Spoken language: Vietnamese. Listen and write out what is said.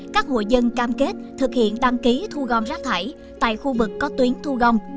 các hội dân cam kết thực hiện đăng ký thu gom rác thải tại khu vực có tuyến thu gom